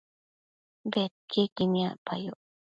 bedquiequi niacpayoc